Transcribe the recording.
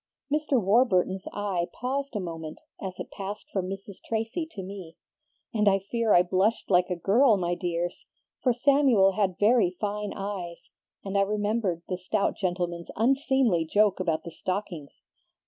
Mr. Warburton's eye paused a moment as it passed from Mrs. Tracy to me, and I fear I blushed like a girl, my dears, for Samuel had very fine eyes, and I remembered the stout gentleman's unseemly joke about the stockings.